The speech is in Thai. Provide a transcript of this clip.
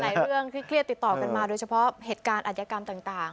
เรื่องที่เครียดติดต่อกันมาโดยเฉพาะเหตุการณ์อัธยกรรมต่าง